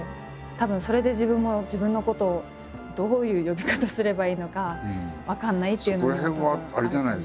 たぶんそれで自分も自分のことをどういう呼び方すればいいのか分からないっていうのがたぶん。